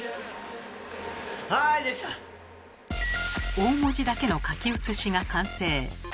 大文字だけの書き写しが完成。